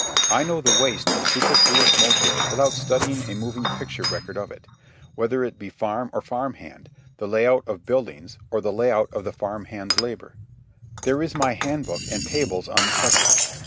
I know the waste of superfluous motion without studying a moving picture record of it, whether it be farm or farm hand, the layout of buildings or the layout of the farm hands' labour. There is my handbook and tables on the subject.